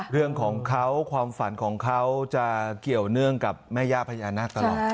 เรื่องของเขาความฝันของเขาจะเกี่ยวเนื่องกับแม่ย่าพญานาคตลอด